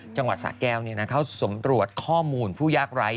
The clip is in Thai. จังหวัดสะแก้วเข้าสำรวจข้อมูลผู้ยากไร้